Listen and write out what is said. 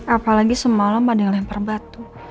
apalagi semalam ada yang lempar batu